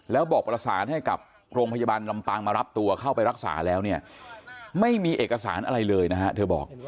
แล้วบอกประสานให้กับโรงพยาบาลลำปางมารับตัวเข้าไปรักษาแล้วเนี่ยไม่มีเอกสารอะไรเลยนะฮะเธอบอก